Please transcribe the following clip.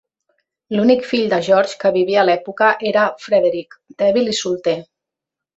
L'únic fill de George que vivia a l'època era Frederick, dèbil i solter.